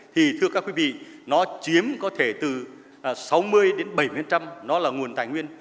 thì thưa các quý vị nó chiếm có thể từ sáu mươi bảy mươi là nguồn tài nguyên